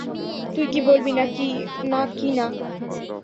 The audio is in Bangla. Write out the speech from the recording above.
তুই কি বলবি না-কি না?